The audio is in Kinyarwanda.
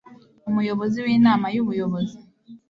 Umuyobozi w Inama y Ubuyobozi